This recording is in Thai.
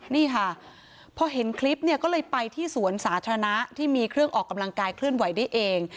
นี่ค่ะพอเห็นคลิปเนี่ยก็เลยไปที่สวนสาธารณะที่มีเครื่องออกกำลังกายเคลื่อนไหวได้เอง